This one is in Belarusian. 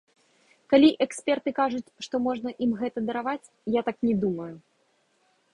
Калі эксперты кажуць, што можна ім гэта дараваць, я так не думаю.